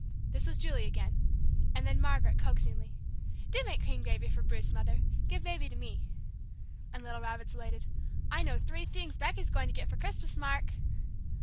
This was Julie again; and then Margaret, coaxingly, "Do make cream gravy for Bruce, Mother. Give Baby to me!" and little Robert's elated "I know three things Becky's going to get for Christmas, Mark!"